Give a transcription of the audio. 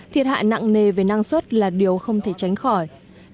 thiệt hại nặng nề về năng suất là điều không thể đánh giá được